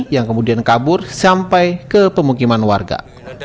yang kemudian kabur sampai ke pemukiman warga